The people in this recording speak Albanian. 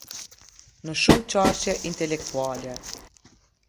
Në shumë qarqe intelektuale.